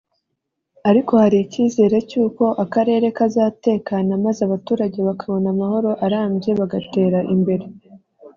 ariko hari icyizere cy’uko akarere kazatekana maze abaturage bakabona amahoro arambye bagatera imbere